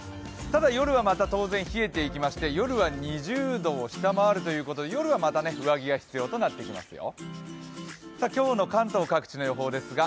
ただ、夜はまた当然、冷えてきまして夜は２０度を下回るということで夜はまた上着が必要となってきますよ。